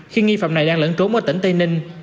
khi nghi phạm này đang lẫn trốn ở tỉnh tây ninh